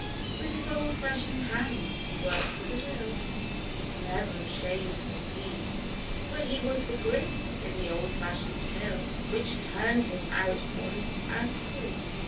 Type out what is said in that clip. With his old fasioned hands he worked with a will, And never ashamed was he, For he was the grist in the old fashioned mill, Which turned him out honest and free.